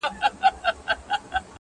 ډیري وژړېدې بوري د زلمیانو پر جنډیو-